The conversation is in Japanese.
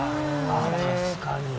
確かに。